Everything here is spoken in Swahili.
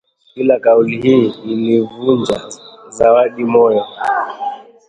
Ila kauli hii ilimvunja Zawadi moyo